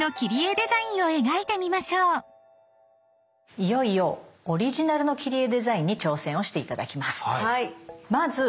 いよいよオリジナルの切り絵デザインに挑戦をして頂きます。